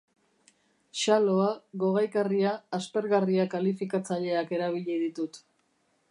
Xaloa, gogaikarria, aspergarria kalifikatzaileak erabili ditut.